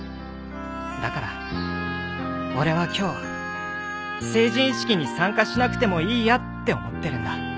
だから俺は今日成人式に参加しなくてもいいやって思ってるんだ。